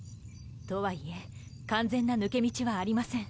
とはいえ完全な抜け道はありません。